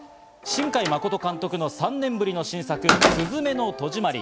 新海誠監督の３年ぶりの最新作『すずめの戸締まり』。